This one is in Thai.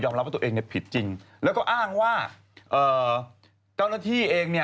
รับว่าตัวเองผิดจริงแล้วก็อ้างว่าเจ้าหน้าที่เองเนี่ย